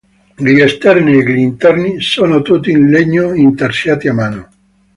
Gli esterni e gli interni sono tutti in legno intarsiati a mano.